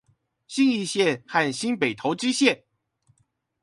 信義線和新北投支線